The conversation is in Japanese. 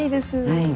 はい。